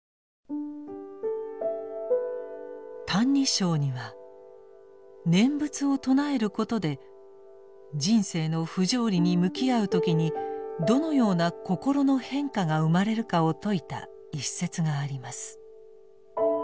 「歎異抄」には念仏を称えることで人生の不条理に向き合う時にどのような心の変化が生まれるかを説いた一節があります。